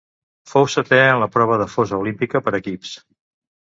Fou setè en la prova de fossa Olímpica per equips.